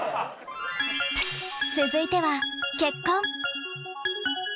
続いては結婚。